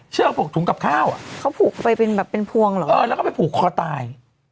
เชือกผูกถูกกับข้าวอ่ะเขาผูกไปเป็นพวงหรอแล้วก็ไม่ผูกคอตาย